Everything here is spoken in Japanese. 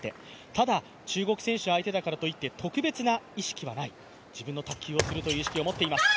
ただ、中国選手相手だからといって特別な意識はない、自分の卓球をするという意識を持っています。